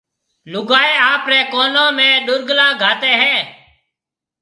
لوگائيَ آپريَ ڪونون ۾ ڏُرگلا گھاتيَ ھيََََ